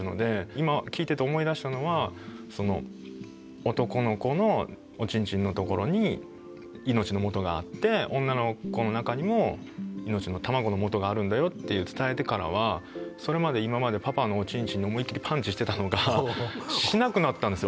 今聞いてて思い出したのは男の子のおちんちんのところに命のもとがあって女の子の中にも命の卵のもとがあるんだよって伝えてからはそれまで今までパパのおちんちんに思いっきりパンチしてたのがしなくなったんですよ。